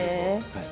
はい。